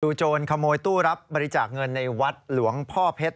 โจรขโมยตู้รับบริจาคเงินในวัดหลวงพ่อเพชร